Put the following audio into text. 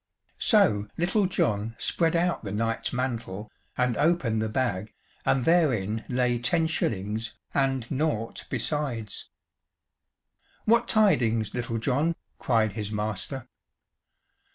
So Little John spread out the knight's mantle, and opened the bag, and therein lay ten shillings and naught besides. "What tidings, Little John?" cried his master.